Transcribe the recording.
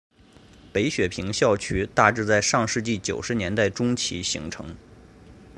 北雪平校区大致在上世纪九十年代中期形成。